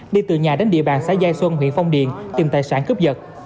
đi từ nhà đến địa bàn xã giai xuân huyện phong điện tìm tài sản cướp dựt